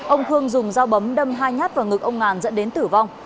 ông khương dùng dao bấm đâm hai nhát vào ngực ông ngàn dẫn đến tử vong